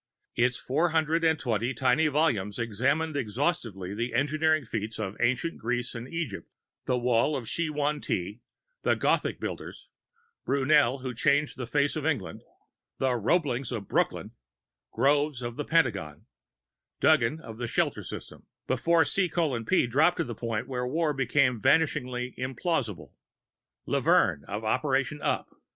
Its four hundred and twenty tiny volumes examined exhaustively the engineering feats of ancient Greece and Egypt, the Wall of Shih Hwang Ti, the Gothic builders, Brunel who changed the face of England, the Roeblings of Brooklyn, Groves of the Pentagon, Duggan of the Shelter System (before C:P dropped to the point where war became vanishingly implausible), Levern of Operation Up.